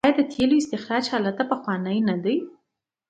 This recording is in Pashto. آیا د تیلو استخراج هلته پخوانی نه دی؟